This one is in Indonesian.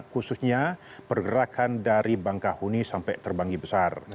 khususnya pergerakan dari bangkahuni sampai terbanggi besar